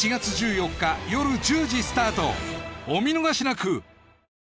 お見逃しなく！